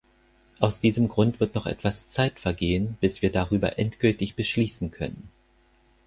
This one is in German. Aus diesem Grund wird noch etwas Zeit vergehen, bis wir darüber endgültig beschließen können.